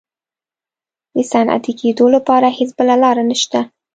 د صنعتي کېدو لپاره هېڅ بله لار نشته.